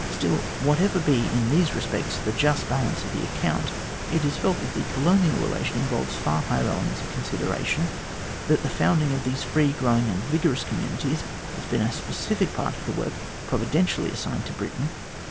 Still, whatever be in these respects the just balance of the account, it is felt that the colonial relation involves far higher elements of consideration; that the founding of these free, growing, and vigorous communities has been a specific part of the work providentially assigned to Britain.